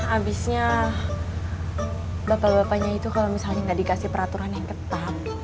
habisnya bapak bapaknya itu kalau misalnya nggak dikasih peraturan yang ketat